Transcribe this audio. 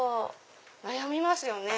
悩みますよね。